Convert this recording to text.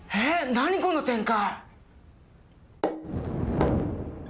何この展開！